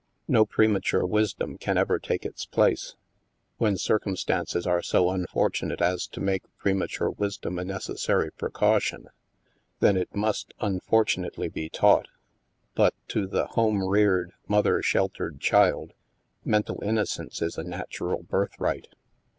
No prema ture wisdom can ever take its place. When cir cumstances are so unfortunate as to make prema ture wisdom a necessary precaution, then it must, unfortunately, be taught. But to the home reared, mother sheltered child, mental innocence is a natural birthright.